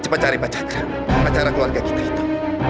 cepat cari pacaran pacaran keluarga kita itu